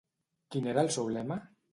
Quin era el seu lema?